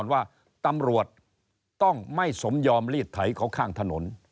ว่าตำรวจต้องไม่สมยอมรีดไถเขาข้างถนน